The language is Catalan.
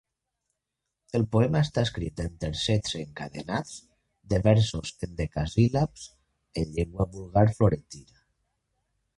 El poema està escrit en tercets encadenats de versos hendecasíl·labs en llengua vulgar florentina.